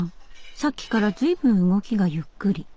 さっきから随分動きがゆっくり。